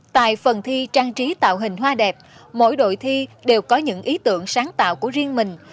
tại phần thi trang trí tạo hình hoa đẹp mỗi đội thi đều có những ý tưởng sáng tạo của riêng mình